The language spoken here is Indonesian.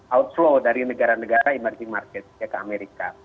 outflow dari negara negara emerging market ke amerika